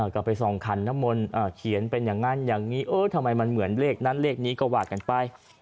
ก็ไปส่องคันน้ำมนต์เขียนเป็นอย่างนั้นอย่างนี้เออทำไมมันเหมือนเลขนั้นเลขนี้ก็ว่ากันไป